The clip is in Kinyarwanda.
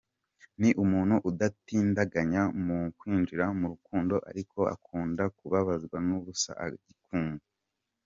Ni umuntu udatindiganya mu kwinjira mu rukundo ariko akunda kubabazwa n’ubusa akigunga.